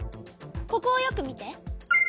ここをよく見て。